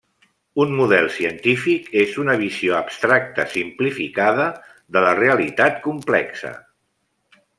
Un model científic és una visió abstracta simplificada de la realitat complexa.